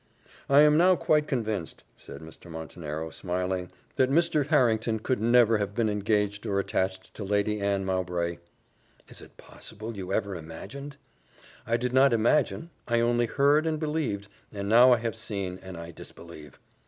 "I am now quite convinced," said Mr. Montenero, smiling, "that Mr. Harrington never could have been engaged or attached to Lady Anne Mowbray." "Is it possible you ever imagined?" "I did not imagine, I only heard and believed and now I have seen, and I disbelieve."